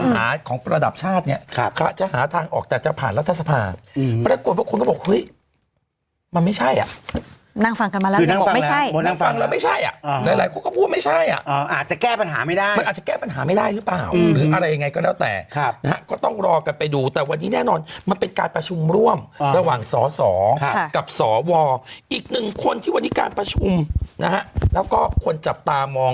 หาของประดับชาติเนี้ยครับจะหาทางออกแต่จะผ่านรัฐสภาพอืมประกวดว่าคุณก็บอกเฮ้ยมันไม่ใช่อ่ะนั่งฟังกันมาแล้วคือนั่งฟังแล้วไม่ใช่อ่ะหลายหลายคนก็พูดว่าไม่ใช่อ่ะอ๋ออาจจะแก้ปัญหาไม่ได้มันอาจจะแก้ปัญหาไม่ได้หรือเปล่าหรืออะไรยังไงก็แล้วแต่ครับนะฮะก็ต้องรอกันไปดูแต่วันนี้แน่นอน